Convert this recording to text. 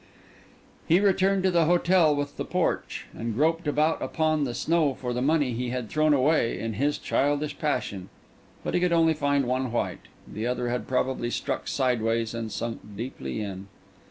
He returned to the hotel with the porch, and groped about upon the snow for the money he had thrown away in his childish passion. But he could only find one white; the other had probably struck sideways and sunk deeply in.